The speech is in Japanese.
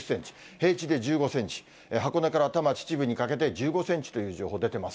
平地で１５センチ、箱根から多摩、秩父にかけて、１５センチという情報出てます。